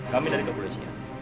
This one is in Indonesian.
kami dari kabupaten sia